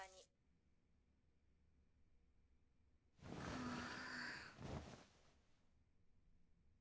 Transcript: うん。